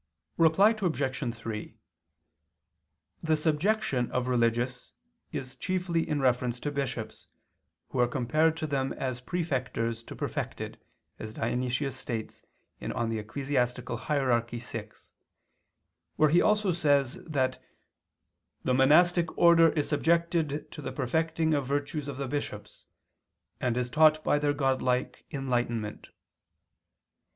Reply Obj. 3: The subjection of religious is chiefly in reference to bishops, who are compared to them as perfecters to perfected, as Dionysius states (Eccl. Hier. vi), where he also says that the "monastic order is subjected to the perfecting virtues of the bishops, and is taught by their godlike enlightenment."